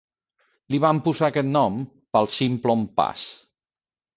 Li van posar aquest nom pel Simplon Pass.